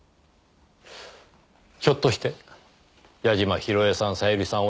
ひょっとして矢嶋広江さん小百合さん